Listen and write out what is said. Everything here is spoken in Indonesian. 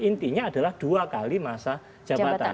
intinya adalah dua kali masa jabatan